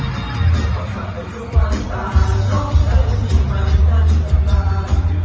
มีความรู้สึกว่าตาร้องเติ้ลมีมากนั้นก็มากยิ่ง